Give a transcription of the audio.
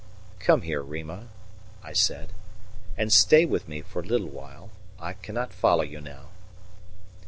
"Come here, Rima," I said, "and stay with me for a little while I cannot follow you now."